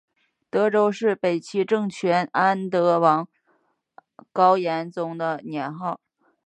德昌是北齐政权安德王高延宗的年号。